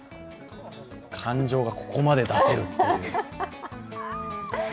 感情がここまで出せるっていう。